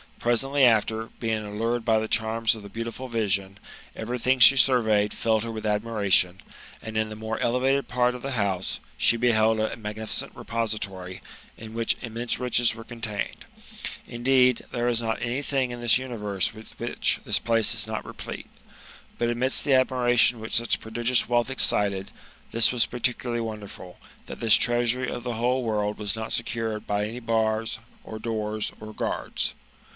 Presently after, being allured by the charms of the beautiful vision, everything she surveyed filled her with admiration ; and, in the more elevated part of the house, she beheld a magnificent repository, in which immense riches were contained. Indeed, there is not anything in thi^ universe with which this place is not replete. But amidst the admiration which such prodigious wealth excited, this was particularly wonderful, that this treasury of the whole world was not secured by any bars, or doors, or guards.